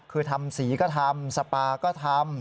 คือทำสีก็ทำสปาก็ทำ